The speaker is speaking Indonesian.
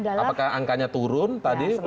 apakah angkanya turun tadi